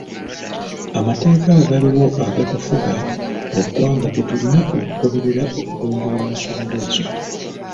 Amateeka agaliwo agatufuga mu ggwanga ge tulina okugoberera okugonjoola ensonga ezo.